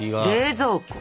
冷蔵庫！